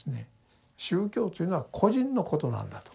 宗教というのは個人のことなんだと。